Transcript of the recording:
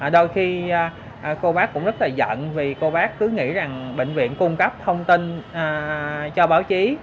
đôi khi cô bác cũng rất là dận vì cô bác cứ nghĩ rằng bệnh viện cung cấp thông tin cho báo chí